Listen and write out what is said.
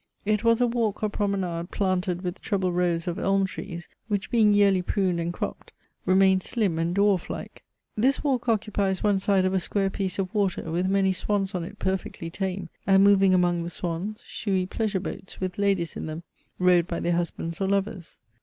It was a walk or promenade planted with treble rows of elm trees, which, being yearly pruned and cropped, remain slim and dwarf like. This walk occupies one side of a square piece of water, with many swans on it perfectly tame, and, moving among the swans, shewy pleasure boats with ladies in them, rowed by their husbands or lovers.